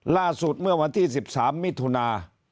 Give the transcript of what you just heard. ล่าสุดเมื่อวันที่๑๓มิถุนา